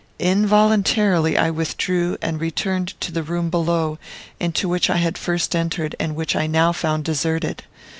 Involuntarily I withdrew, and returned to the room below, into which I had first entered, and which I now found deserted.